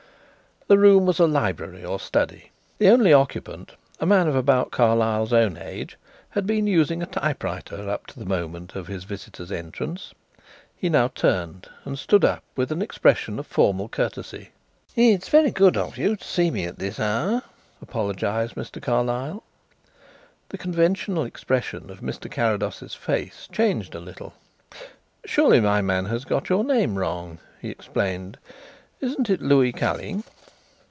The room was a library or study. The only occupant, a man of about Carlyle's own age, had been using a typewriter up to the moment of his visitor's entrance. He now turned and stood up with an expression of formal courtesy. "It's very good of you to see me at this hour," apologised Mr. Carlyle. The conventional expression of Mr. Carrados's face changed a little. "Surely my man has got your name wrong?" he explained. "Isn't it Louis Calling?"